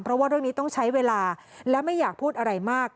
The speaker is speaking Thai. เพราะว่าเรื่องนี้ต้องใช้เวลาและไม่อยากพูดอะไรมาก